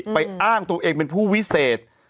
อ้างตัวเองเป็นผู้วิเศษ